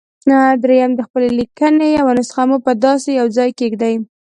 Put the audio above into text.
درېيم د خپلې ليکنې يوه نسخه مو په داسې يوه ځای کېږدئ.